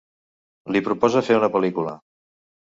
Li proposa fer una pel·lícula.